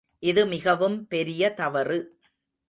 இது மிகவும் பெரிய தவறு.